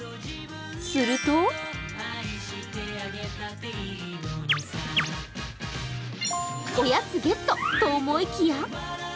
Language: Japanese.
すると、おやつゲットと思いきや。